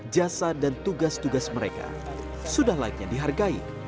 jasa dan tugas tugas mereka sudah layaknya dihargai